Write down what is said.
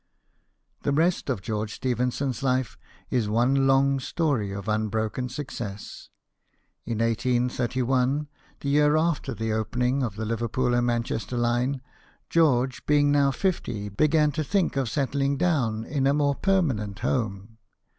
The rest of George Stephenson's life is one long story of unbroken success. In 1831, the year after the opening of the Liverpool and Manchester line, George, being now fifty, began to think of settling down in a more permanent home.